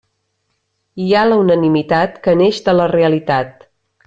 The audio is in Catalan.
Hi ha la unanimitat que neix de la realitat.